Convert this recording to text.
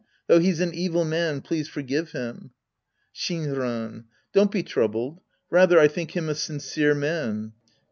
Though he's an evil man, please forgive him. Shinran. Don't be troubled. Rather, I tliink him a sincere man.